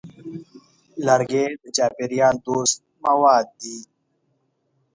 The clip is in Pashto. لرګی د چاپېریال دوست مواد دی.